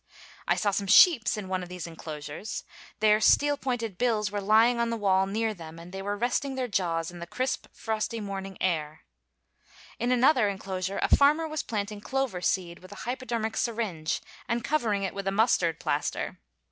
I saw some sheep in one of these enclosures. Their steel pointed bills were lying on the wall near them, and they were resting their jaws in the crisp, frosty morning air. In another enclosure a farmer was planting clover seed with a hypodermic syringe, and covering it with a mustard plaster.